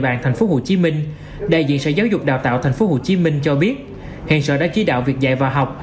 bạn tp hcm đại diện sở giáo dục đào tạo tp hcm cho biết hiện sở đã chỉ đạo việc dạy và học